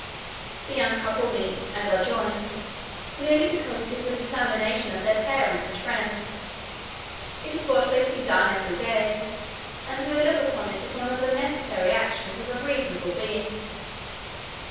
The young couple meet, and are joined, merely because it is the determination of their parents and friends; it is what they see done every day, and they look upon it as one of the necessary actions of a reasonable being.